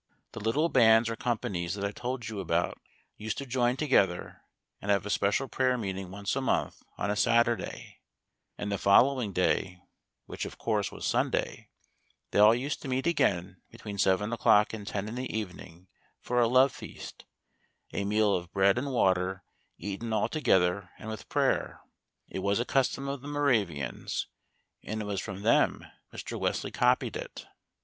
The little bands or companies that I told you about used to join together, and have a special prayer meeting once a month on a Saturday; and the following day, which, of course, was Sunday, they all used to meet again between seven o'clock and ten in the evening for a love feast a meal of bread and water eaten altogether and with prayer. It was a custom of the Moravians, and it was from them Mr. Wesley copied it.